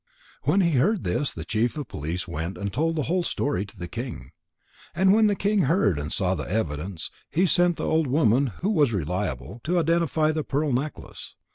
When he heard this, the chief of police went and told the whole story to the king. And when the king heard and saw the evidence, he sent the old woman, who was reliable, to identify the pearl necklace.